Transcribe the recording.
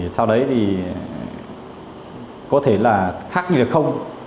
sau đấy thì có thể là khác như được không